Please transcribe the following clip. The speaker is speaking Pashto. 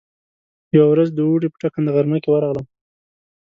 يوه ورځ د اوړي په ټکنده غرمه کې ورغلم.